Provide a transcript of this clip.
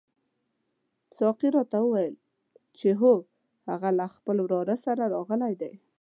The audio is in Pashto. ساقي راته وویل چې هو هغه له خپل وراره سره راغلی دی.